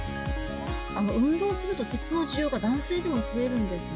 運動すると、鉄の需要が男性でも増えるんですね。